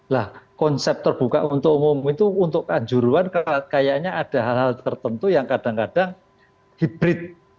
lah konsep terbuka untuk umum itu untuk kanjuruan kayaknya ada hal hal tertentu yang kadang kadang hibrid